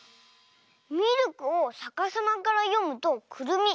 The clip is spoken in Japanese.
ミルクをさかさまからよむとくるみ。